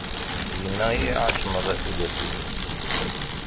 Dina i iɛac meṛṛa tudert-is.